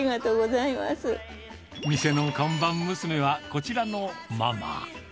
店の看板娘は、こちらのママ。